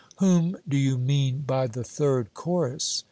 'Whom do you mean by the third chorus?'